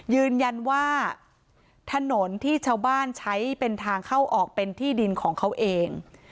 ยืนยันว่าถนนที่ชาวบ้านใช้เป็นทางเข้าออกเป็นที่ดินของเขาเอง